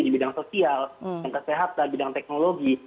di bidang sosial kesehatan bidang teknologi